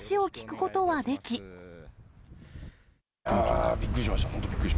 本当にびっくりしました。